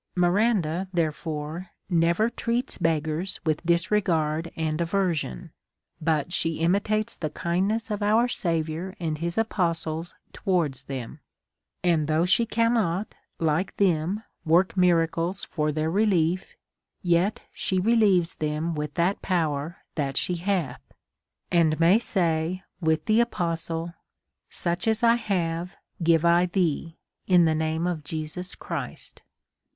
Miranda, therefore, never treats beggars with disregard and aversion, but she imitates the kindness of our Saviour and his apostles towards them ; and though she cannot, like them, work mira cles for their relief, yet she relieves them with that power which she hath ; and may say with the apostle. Such as I have give I thee, in the name of Jesus Christ.